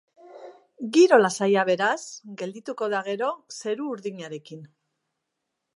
Giro lasaia, beraz, geldituko da gero, zeru urdinarekin.